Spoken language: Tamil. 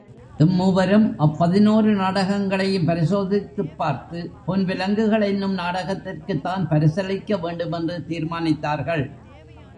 இம் மூவரும், அப் பதினோரு நாடகங்களையும் பரிசோதித்துப் பார்த்து, பொன் விலங்குகள் என்னும் நாடகத்திற்குத்தான் பரிசளிக்க வேண்டுமென்று தீர்மானித்தார்கள்.